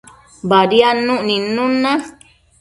Badiadnuc nidnun na